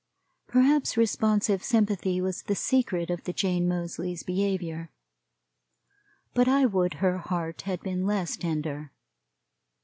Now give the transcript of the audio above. Perhaps responsive sympathy was the secret of the Jane Moseley's behavior; but I would her heart had been less tender.